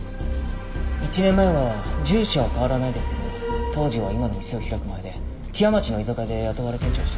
１年前は住所は変わらないですけど当時は今の店を開く前で木屋町の居酒屋で雇われ店長をしてました。